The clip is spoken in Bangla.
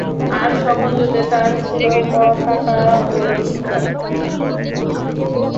আর সকল যুদ্ধে তাঁর ছিল পতাকা ও ইজ্জত।